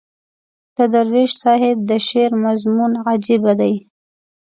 د درویش صاحب د شعر مضمون عجیبه دی.